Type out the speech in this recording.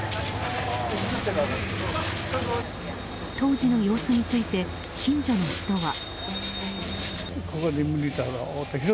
当時の様子について近所の人は。